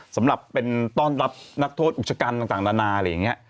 สำหรับเป็นต้อนรับนักโทษอุกชกันต่างนานาอะไรอย่างนี้